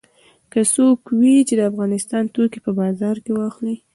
که څوک وي چې د افغانستان توکي په بازار کې واخلي.